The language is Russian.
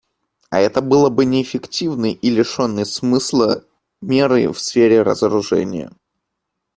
А это было бы неэффективной и лишенной смысла мерой в сфере разоружения.